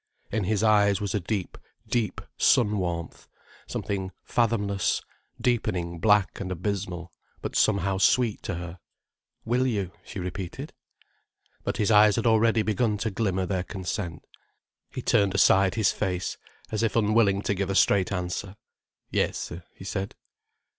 In his eyes was a deep, deep sun warmth, something fathomless, deepening black and abysmal, but somehow sweet to her. "Will you?" she repeated. But his eyes had already begun to glimmer their consent. He turned aside his face, as if unwilling to give a straight answer. "Yes," he said.